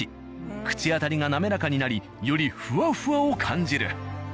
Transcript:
口当たりが滑らかになりよりフワフワを感じる。